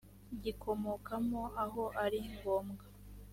gikomokamo aho ari ngombwa